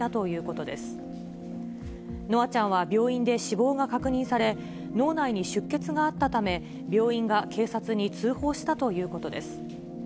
夢空ちゃんは病院で死亡が確認され、脳内に出血があったため、病院が警察に通報したということです。